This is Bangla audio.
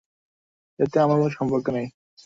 এতে আমার কোনো সম্পর্কই নেই।